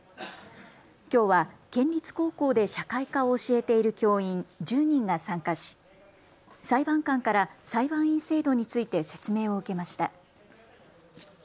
きょうは県立高校で社会科を教えている教員１０人が参加し裁判官から裁判員制度について説明を受けました。